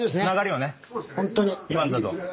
今のだと。